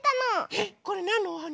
えっこれなんのおはな？